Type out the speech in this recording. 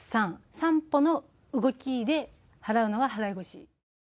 ３歩の動きで払うのが払腰。